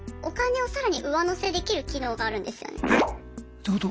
⁉どういうこと？